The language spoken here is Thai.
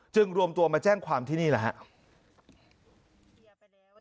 รวมตัวมาแจ้งความที่นี่แหละครับ